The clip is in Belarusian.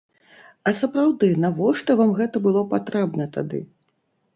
А сапраўды, навошта вам гэта было патрэбна тады?